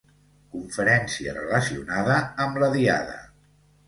Conferència relacionada amb la Diada.